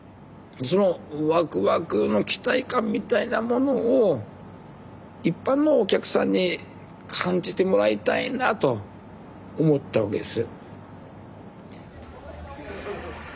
そのわくわくの期待感みたいなものを一般のお客さんに感じてもらいたいなと思ったわけです。